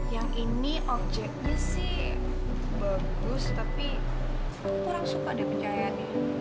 yang ini obyeknya sih bagus tapi kurang suka di pencahayaan